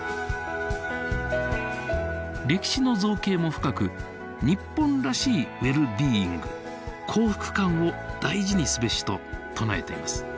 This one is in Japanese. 歴史の造詣も深く日本らしいウェルビーイング幸福感を大事にすべしと唱えています。